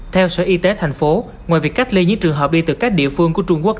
theo sở y tế thành phố ngoài việc cách ly những trường hợp đi từ các địa phương của trung quốc